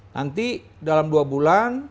nanti dalam dua bulan